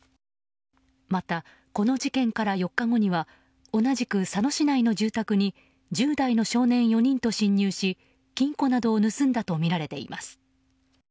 また、この事件から４日後には同じく佐野市内の住宅に１０代の少年４人と侵入し金庫などを盗んだとみられます。